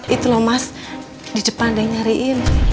itu loh mas di jepang ada yang nyariin